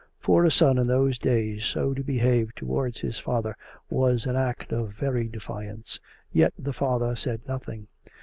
For a son, in those days, so to behave towards his father, was an act of very defiance. Yet the father said nothing.